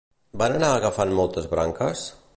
Van anar agafant moltes branques?